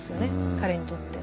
彼にとって。